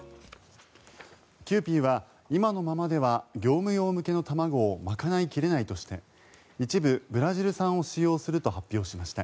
キユーピーは今のままでは業務用の卵を賄い切れないとして一部ブラジル産を使用すると発表しました。